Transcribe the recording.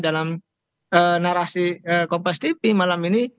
dalam narasi kompas tv malam ini